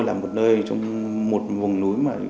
là một nơi trong một vùng núi